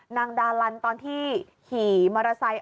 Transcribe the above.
นางดาลันตอนที่ขี่มอเตอร์ไซค์